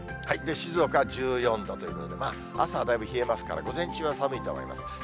静岡は１４度ということで、まあ朝はだいぶ冷えますから、午前中は寒いと思います。